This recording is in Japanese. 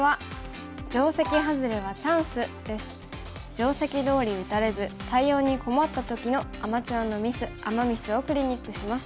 定石どおり打たれず対応に困った時のアマチュアのミスアマ・ミスをクリニックします。